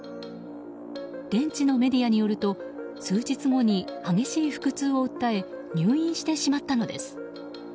現地のメディアによると数日後に激しい腹痛を訴え入院してしまったのです。